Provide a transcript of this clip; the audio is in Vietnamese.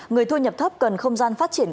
người thu nhập thấp cần không gian phát triển